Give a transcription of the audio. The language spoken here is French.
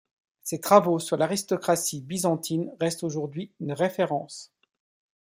Ses travaux sur l'aristocratie byzantine restent aujourd'hui une référence.